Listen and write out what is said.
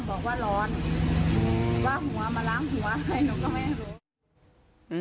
อืมว่าหัวล้างหัวอะไรนก็ไม่รู้